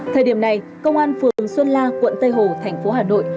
thời điểm này công an phường xuân la quận tây hồ thành phố hà nội